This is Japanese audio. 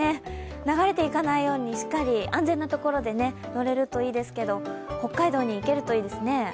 流れていかないようにしっかり安全なところで乗れるといいですけど、北海道に行けるといいですね。